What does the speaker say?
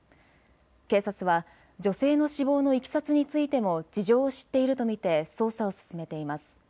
警察は女性の死亡のいきさつについても事情を知っていると見て捜査を進めています。